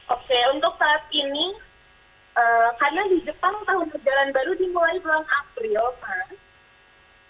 oke untuk saat ini karena di jepang tahun perjalanan baru dimulai bulan april pak